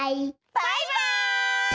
バイバイ！